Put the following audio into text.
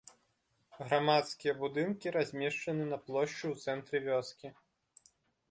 Грамадскія будынкі размешчаны на плошчы ў цэнтры вёскі.